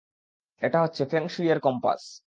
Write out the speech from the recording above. এটা হচ্ছে ফেং শুইয়ের কম্পাস!